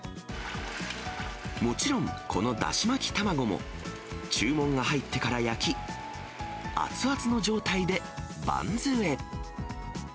もちろんこのだし巻き卵も、注文が入ってから焼き、熱々の状態でバンズへ。